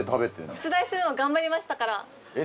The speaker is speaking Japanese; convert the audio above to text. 出題するの頑張りましたからえっ